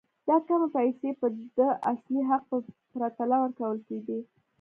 دا کمې پیسې به د اصلي حق په پرتله ورکول کېدې.